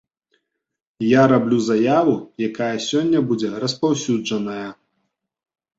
Я раблю заяву, якая сёння будзе распаўсюджаная.